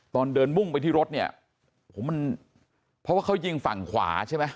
ตอนเดินมุ่งไปที่รถเนี่ยโอ้โหมันเพราะว่าเขายิงฝั่งขวาใช่ไหม